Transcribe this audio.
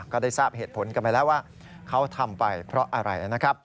ก็ได้ทราบเหตุผลกันไปแล้วว่าเขาทำไปเพราะอะไรนะครับ